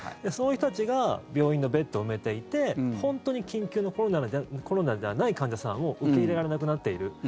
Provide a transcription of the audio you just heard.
そういう人たちが病院のベッドを埋めていて本当に緊急のコロナじゃない患者さんを受け入れられなくなっている。